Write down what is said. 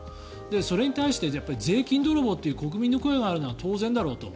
それについて税金泥棒という国民の声があるのは当然だろうと。